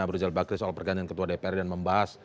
abu rizal bakri soal pergantian ketua dpr dan membahas